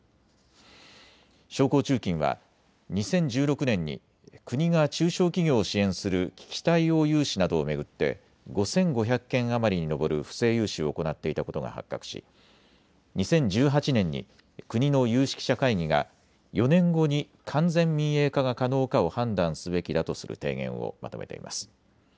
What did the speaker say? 商工中金は２０１６年に国が中小企業を支援する危機対応融資などを巡って５５００件余りに上る不正融資を行っていたことが発覚し２０１８年に国の有識者会議が４年後に完全民営化が可能かを判断すべきだとする提言をまとめています。